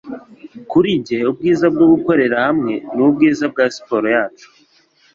Kuri njye ubwiza bwo gukorera hamwe ni ubwiza bwa siporo yacu,